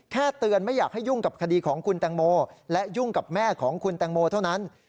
เตือนไม่อยากให้ยุ่งกับคดีของคุณแตงโมและยุ่งกับแม่ของคุณแตงโมเท่านั้น